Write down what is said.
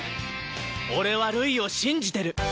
俺はルイを信じてる！